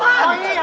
sam kamu mau pinjam